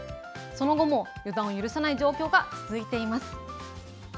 その後も予断を許さない状況が続いています。